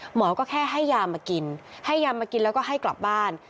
หมอก็แค่ให้ยามากินให้ยามากินแล้วก็ให้กลับบ้าน